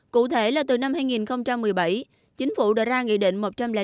cụ thể là từ năm hai nghìn một mươi bảy chính phủ đã ra nghị định một trăm linh tám